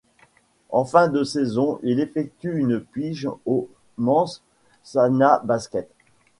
En fin de saison, il effectue une pige au Mens Sana Basket.